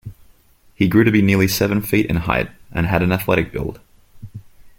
He grew to be nearly seven feet in height and had an athletic build.